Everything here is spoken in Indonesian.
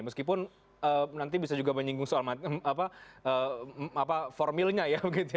meskipun nanti bisa juga menyinggung soal formilnya ya begitu ya